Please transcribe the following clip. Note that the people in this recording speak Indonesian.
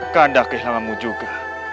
kanda kehilanganmu juga